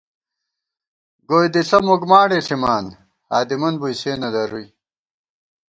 گوئی دِݪہ مُکمانڈے ݪِمان ، ہادِمن بُوئی سے نہ درُوئی